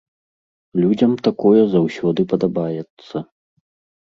Людзям такое заўсёды падабаецца.